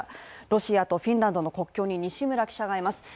ロシアとフィンランドの国境に西村記者がいます。